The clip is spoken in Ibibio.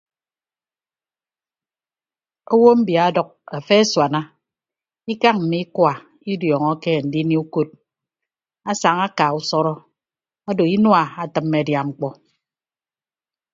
Owo mbia ọdʌk efe asuana ikañ mme ikua idiọọñọke andinie ukot asaña aka usọrọ odo inua atịmme adia ñkpọ.